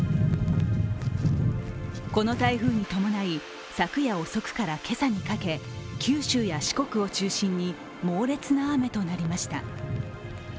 この台風に伴い、昨夜遅くから今朝にかけ九州や四国を中心に猛烈な雨となりました。